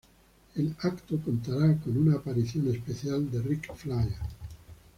El evento contará con una aparición especial de Ric Flair.